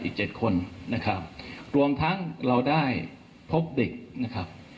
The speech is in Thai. อีกเจ็ดคนนะครับรวมทั้งเราได้พบเด็กนะครับ